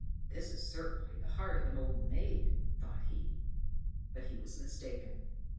"This is certainly the heart of an old maid," thought he. But he was mistaken.